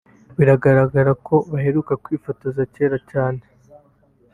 bigaragara ko baheruka kwifotozanya cyera cyane